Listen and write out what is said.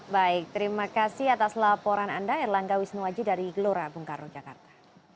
baik terima kasih atas laporan anda erlangga wisnuwaji dari gelora bung karno jakarta